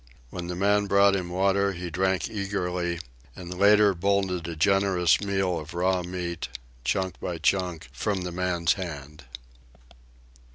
When the man brought him water he drank eagerly, and later bolted a generous meal of raw meat, chunk by chunk, from the man's hand.